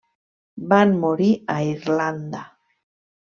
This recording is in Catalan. Van morir a Irlanda.